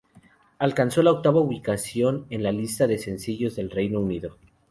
Alcanzó la octava ubicación en la lista de sencillos del Reino Unido.